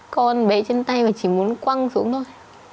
con bé chân tay mà chỉ muốn quăng xuống thôi